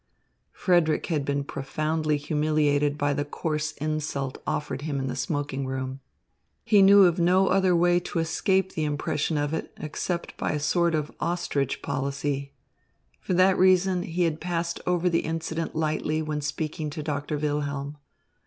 Frederick had been profoundly humiliated by the coarse insult offered him in the smoking room. He knew of no other way to escape the impression of it except by a sort of ostrich policy. For that reason he had passed over the incident lightly when speaking to Doctor Wilhelm.